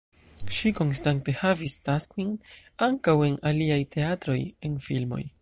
Ŝi konstante havis taskojn ankaŭ en aliaj teatroj, en filmoj.